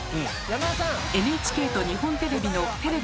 ＮＨＫと日本テレビのテレビ